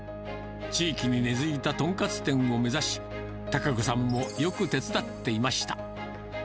地域に根づいた豚カツ店を目指し、高子さんもよく手伝っていました。